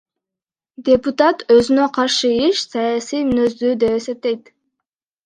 Депутат өзүнө каршы иш саясий мүнөздүү деп эсептейт.